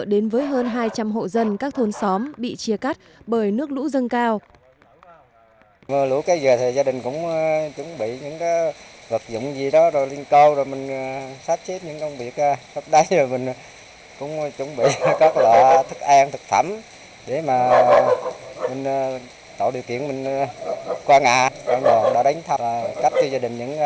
đến với hơn hai trăm linh hộ dân các thôn xóm bị chia cắt bởi nước lũ dân cao